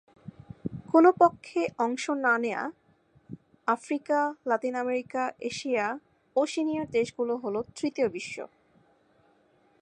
কোনো পক্ষে অংশ না নেওয়া আফ্রিকা, লাতিন আমেরিকা, এশিয়া, ওশেনিয়ার দেশগুলি হলো তৃতীয় বিশ্ব।